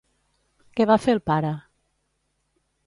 Què va fer el pare?